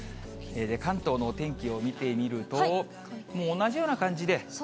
関東のお天気を見てみると、同じような感じで。